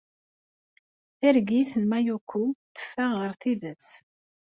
Targit n Mayuko teffeɣ ɣer tidet.